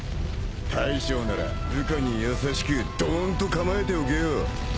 大将なら部下に優しくドーンと構えておけよ。